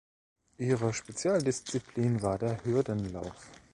Ihre Spezialdisziplin war der Hürdenlauf.